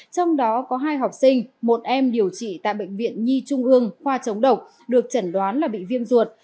trong đó có hai học sinh một em điều trị tại bệnh viện nhi trung ương khoa chống độc được chẩn đoán là bị viêm ruột